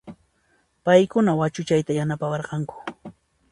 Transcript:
Payquna wachuchayta yanapawarqanku